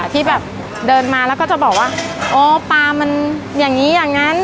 ที่แบบเดินมาแล้วก็จะบอกว่าโอ้ปลามันอย่างนี้อย่างนั้น